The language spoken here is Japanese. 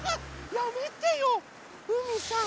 やめてようみさん